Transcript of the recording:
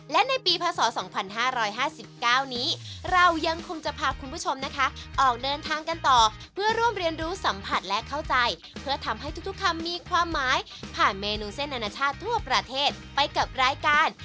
และทำมีความหมายผ่านเมนูเส้นนานาชาติทั่วประเทศไปกับรายการ